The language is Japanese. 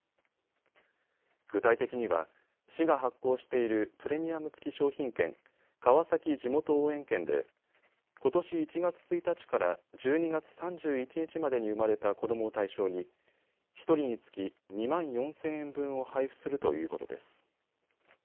具体的には市が発行しているプレミアム付き商品券、川崎じもと応援券でことし１月１日から１２月３１日までに生まれた子どもを対象に１人につき２万４０００円分を配布するということです。